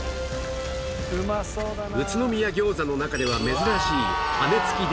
宇都宮餃子の中では珍しい羽根付きで